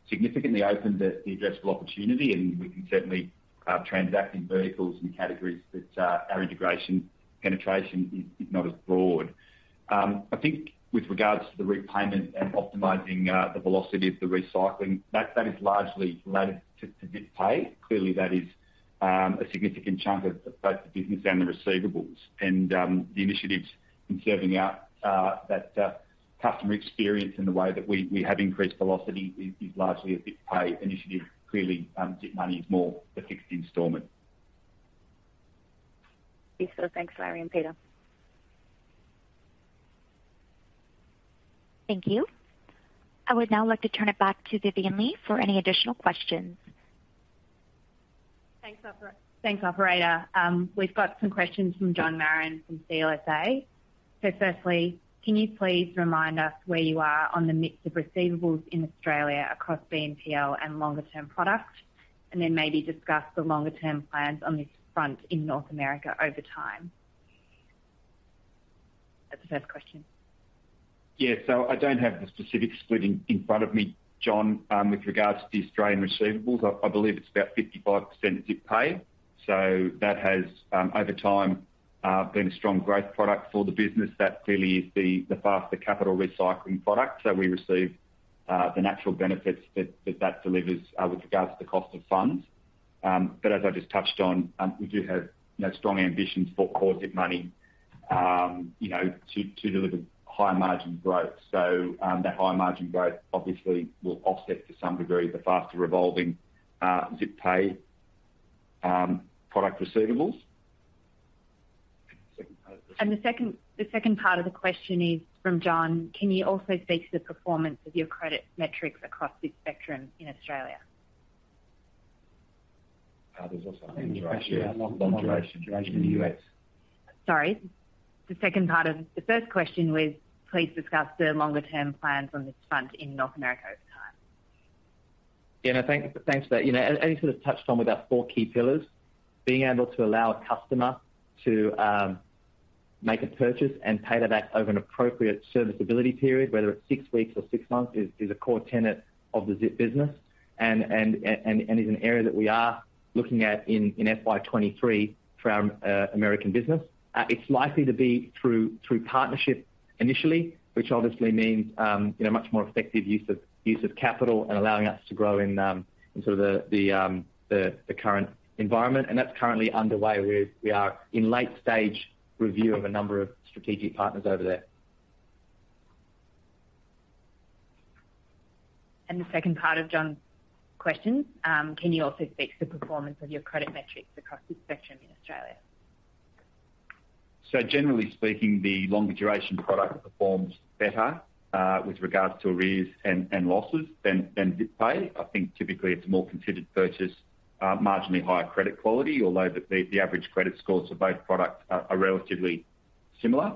significantly opened the addressable opportunity, and we can certainly transact in verticals and categories that our integration penetration is not as broad. I think with regards to the repayment and optimizing the velocity of the recycling, that is largely related to Zip Pay. Clearly, that is, a significant chunk of both the business and the receivables. The initiatives in serving out that customer experience and the way that we have increased velocity is largely a Zip Pay initiative. Clearly, Zip Money is more the fixed installment. Thanks, Larry and Peter. Thank you. I would now like to turn it back to Vivienne Lee for any additional questions. Thanks, operator. We've got some questions from John Marron from CLSA. Firstly, can you please remind us where you are on the mix of receivables in Australia across BNPL and longer-term products? And then maybe discuss the longer term plans on this front in North America over time. That's the first question. Yeah. I don't have the specific split in front of me, John, with regards to the Australian receivables. I believe it's about 55% of Zip Pay. That has over time been a strong growth product for the business. That clearly is the faster capital recycling product. We receive the natural benefits that delivers with regards to the cost of funds. But as I just touched on, we do have, you know, strong ambitions for core Zip Money, you know, to deliver high margin growth. So that high margin growth obviously will offset to some degree the faster revolving Zip Pay product receivables. The second part of the The second part of the question is from John Marron: Can you also speak to the performance of your credit metrics across this spectrum in Australia? There's also a question about longer duration in the U.S. Sorry. The second part of the first question was, please discuss the longer-term plans on this front in North America over time. Yeah. No, thanks for that. You know, as we sort of touched on with our four key pillars, being able to allow a customer to make a purchase and pay that back over an appropriate serviceability period, whether it's six weeks or six months, is a core tenet of the Zip business and is an area that we are looking at in FY 2023 for our American business. It's likely to be through partnership initially, which obviously means, you know, much more effective use of capital and allowing us to grow in the current environment. That's currently underway. We are in late stage review of a number of strategic partners over there. The second part of John's question. Can you also speak to the performance of your credit metrics across this spectrum in Australia? So generally speaking, the longer duration product performs better with regards to arrears and losses than Zip Pay. I think typically it's a more considered purchase, marginally higher credit quality, although the average credit scores for both products are relatively Similar.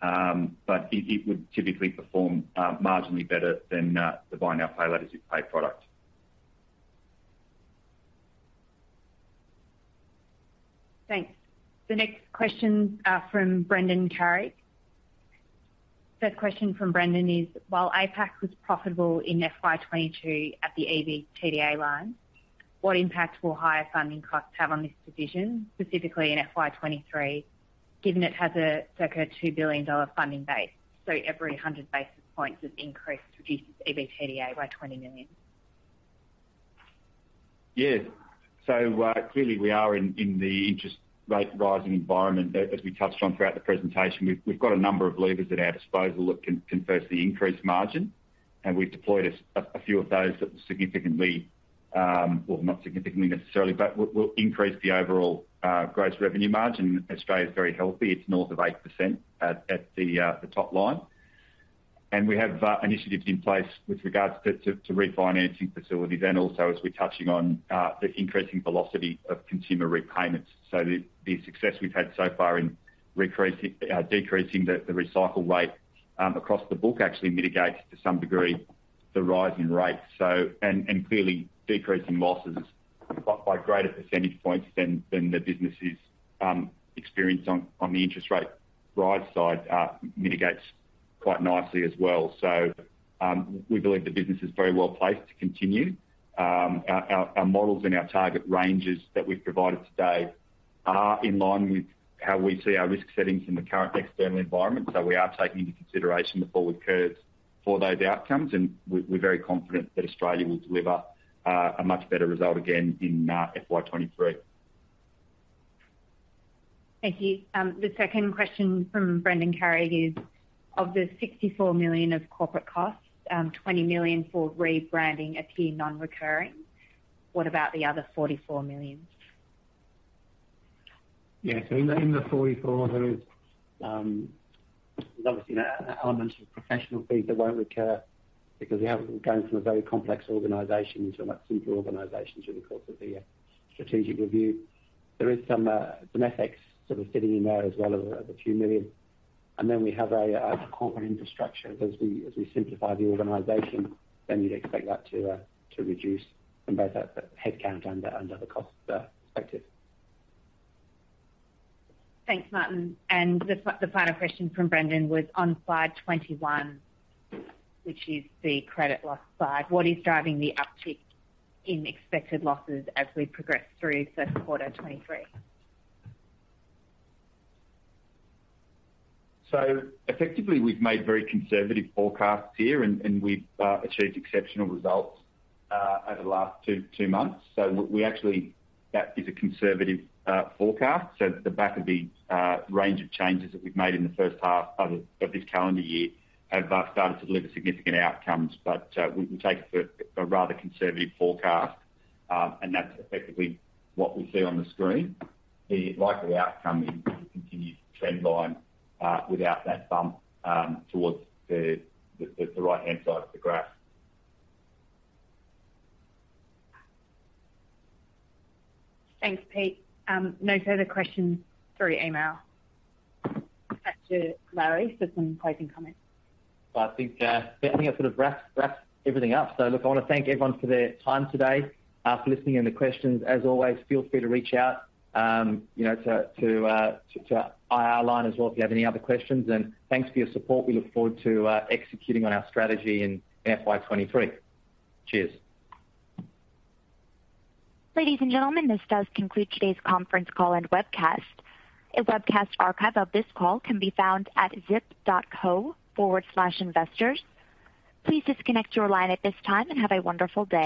But it would typically perform marginally better than the buy now, pay later as you pay product. Thanks. The next question from Brendan Carrick. First question from Brendan is: While APAC was profitable in FY 2022 at the EBITDA line, what impact will higher funding costs have on this division, specifically in FY 2023, given it has a circa 2 billion dollar funding base, so every 100 basis points of increase reduces EBITDA by 20 million? Yeah. Clearly we are in the interest rate rising environment. As we touched on throughout the presentation, we've got a number of levers at our disposal that can firstly increase margin, and we've deployed a few of those that will significantly. Well, not significantly necessarily, but will increase the overall gross revenue margin. Australia is very healthy. It's north of 8% at the top line. And we have initiatives in place with regards to refinancing facilities and also as we're touching on the increasing velocity of consumer repayments. The success we've had so far in decreasing the recycle rate across the book actually mitigates to some degree the rise in rates. And clearly decreasing losses by greater percentage points than the business is experiencing on the interest rate rise side mitigates quite nicely as well. So we believe the business is very well placed to continue. Our models and our target ranges that we've provided today are in line with how we see our risk settings in the current external environment. So we are taking into consideration the forward curves for those outcomes, and we're very confident that Australia will deliver a much better result again in FY 2023. Thank you. The second question from Brendan Carrick is: Of the 64 million of corporate costs, 20 million for rebranding appear non-recurring. What about the other 44 million? Yeah. In the 44 there is obviously an element of professional fees that won't recur because we have gone from a very complex organization to a much simpler organization through the course of the strategic review. There is some exit costs sort of sitting in there as well, AUD a few million. And then we have a corporate infrastructure. As we simplify the organization, then you'd expect that to reduce from both a headcount and cost perspective. Thanks, Martin. The final question from Brendan was on slide 21, which is the credit loss slide. What is driving the uptick in expected losses as we progress through first quarter 2023? So effectively, we've made very conservative forecasts here and we've achieved exceptional results over the last two months. That is a conservative forecast. At the back of the range of changes that we've made in the first half of this calendar year have started to deliver significant outcomes. We take a rather conservative forecast, and that's effectively what we see on the screen. The likely outcome is a continued trend line without that bump towards the right-hand side of the graph. Thanks, Pete. No further questions through email. Back to Larry for some closing comments. I think certainly I sort of wrapped everything up. Look, I wanna thank everyone for their time today, for listening and the questions. As always, feel free to reach out, you know, to our line as well if you have any other questions. Thanks for your support. We look forward to executing on our strategy in FY 2023. Cheers. Ladies and gentlemen, this does conclude today's conference call and webcast. A webcast archive of this call can be found at zip.co/investors. Please disconnect your line at this time and have a wonderful day.